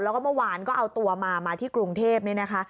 แล้วมาวานก็เอาตัวมาที่กรุงเทพต์